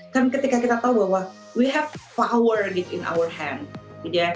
kan ketika kita tahu bahwa we have power in our hand gitu ya